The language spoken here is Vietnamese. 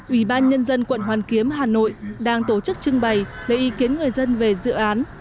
ủy ban nhân dân quận hoàn kiếm hà nội đang tổ chức trưng bày lấy ý kiến người dân về dự án